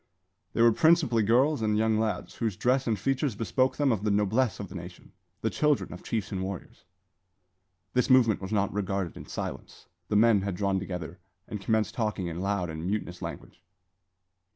They were principally girls and young lads, whose dress and features bespoke them of the noblesse of the nation, the children of chiefs and warriors. This movement was not regarded in silence. The men had drawn together, and commenced talking in loud and mutinous language.